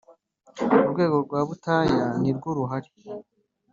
Urwego rwa Butaya nirwo ruhari.